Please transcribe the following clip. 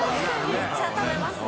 めっちゃ食べますね。